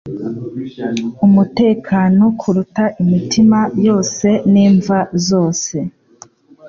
Umutekano kuruta imitima yose n'imva zose